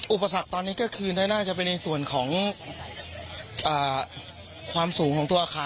อุปสรรคตอนนี้ก็คือน่าจะเป็นในส่วนของความสูงของตัวอาคาร